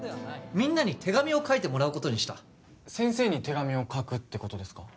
みんなに手紙を書いてもらうことにした先生に手紙を書くってことですか？